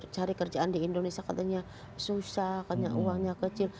cari kerjaan di indonesia katanya susah katanya uangnya kecil